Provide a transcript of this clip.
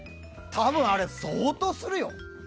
多分、あれ相当するよ。